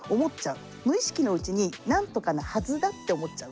無意識のうちに何とかのはずだって思っちゃう。